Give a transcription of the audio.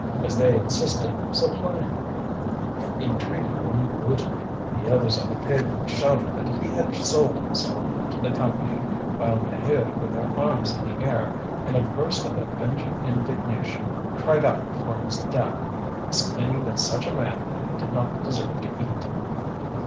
As they insisted, suppliantly, he treated one brutally. The others on the pavement shouted that he had sold himself to the Company, while Maheude, with her arms in the air, in a burst of avenging indignation, cried out for his death, exclaiming that such a man did not deserve to eat.